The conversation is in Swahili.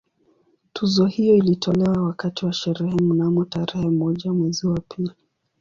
Tuzo hiyo ilitolewa wakati wa sherehe mnamo tarehe moja mwezi wa pili